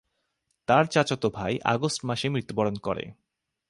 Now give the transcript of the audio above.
তার চাচাতো ভাই আগস্ট মাসে মৃত্যুবরণ করে।